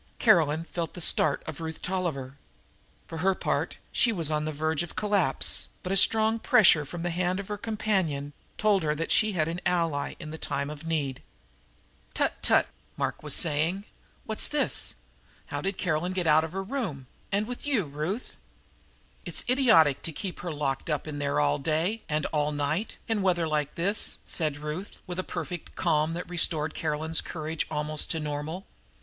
Caroline felt the start of Ruth Tolliver. For her part she was on the verge of collapse, but a strong pressure from the hand of her companion told her that she had an ally in the time of need. "Tut tut!" Mark was saying, "what's this? How did Caroline get out of her room and with you, Ruth?" "It's idiotic to keep her locked up there all day and all night, in weather like this," said Ruth, with a perfect calm that restored Caroline's courage almost to the normal.